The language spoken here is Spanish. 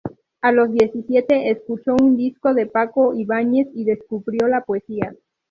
A los diecisiete escuchó un disco de Paco Ibáñez y descubrió la poesía.